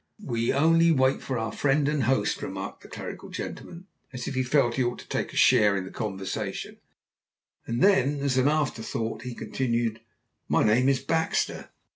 "We only wait for our friend and host," remarked the clerical gentleman, as if he felt he ought to take a share in the conversation, and then, as an afterthought, he continued, "My name is Baxter!"